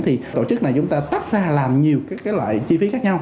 thì tổ chức này chúng ta tách ra làm nhiều các cái loại chi phí khác nhau